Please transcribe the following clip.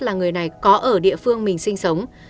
là người này có ở địa phương mình sinh sống